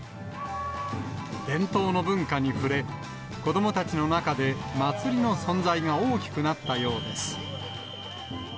伝統の文化に触れ、子どもたちの中で祭りの存在が大きくなったようです。